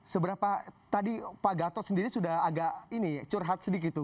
seberapa tadi pak gatot sendiri sudah agak ini curhat sedikit itu